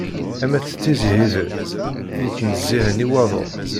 Am at tizi Hibel, yittnezzihen i waḍu.